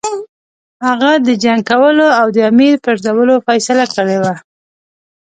هغه د جنګ کولو او د امیر پرزولو فیصله کړې وه.